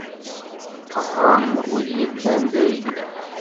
Qehren wid yellan d ayla-k.